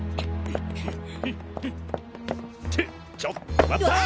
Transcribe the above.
ちょっと待ったぁ！